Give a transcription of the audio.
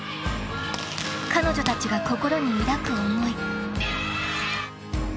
［彼女たちが心に抱く思い］